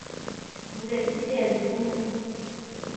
Vous êtes si belle, vous!